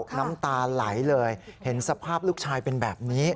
น้ำตาไหลเลยเห็นสภาพลูกชายเป็นแบบนี้